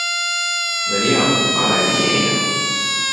無理やん課題できへんやん